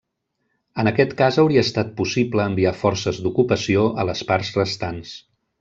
En aquest cas hauria estat possible enviar forces d'ocupació a les parts restants.